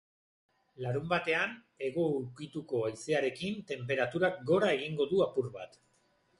Larunbatean, hego ukituko haizearekin tenperaturak gora egingo du apur bat.